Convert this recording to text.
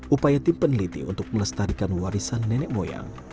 upaya tim peneliti untuk melestarikan warisan nenek moyang